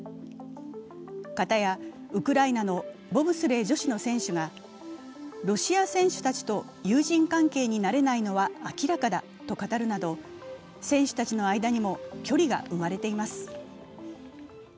片やウクライナのボブスレー女子の選手がロシア選手たちと友人関係になれないのは明らかだと語るなど選手たちの間にも距離が生まれています。